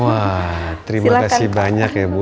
wah terima kasih banyak ya bu